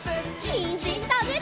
にんじんたべるよ！